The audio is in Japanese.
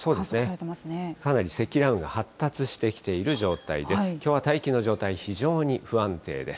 かなり積乱雲が発達してきている状態です。